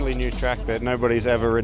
jadi itu memiliki tantangan sendiri